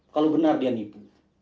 kalau benar dia nipu